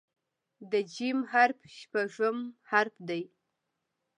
د "ج" حرف شپږم حرف دی.